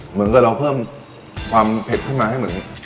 เหมือนกับเราเพิ่มความเผ็ดขึ้นมาให้เหมือน